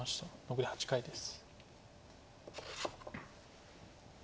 残り８回です。